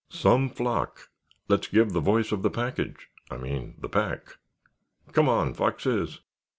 "Some flock! Let's give the voice of the package—I mean the pack. Come on, Foxes!"